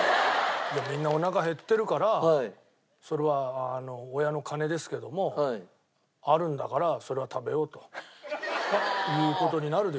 みんなお腹減ってるからそれは親の金ですけどもあるんだからそれは食べようという事になるでしょう普通は。